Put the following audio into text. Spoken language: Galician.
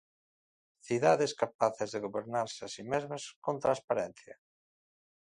Cidades capaces de gobernarse a si mesmas con transparencia.